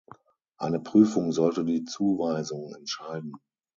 Eine Prüfung sollte die Zuweisung entscheiden.